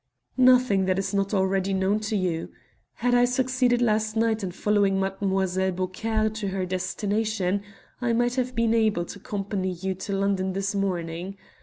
"Nothing that is not already known to you. Had I succeeded last night in following Mlle. Beaucaire to her destination, I might have been able to accompany you to London this morning.